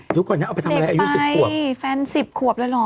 เดี๋ยวก่อนนะเอาไปทำอะไรอายุสิบขวบนี่แฟนสิบขวบเลยเหรอ